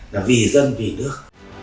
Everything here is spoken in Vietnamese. là vì dân vì nước